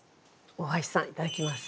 大箸さんいただきます。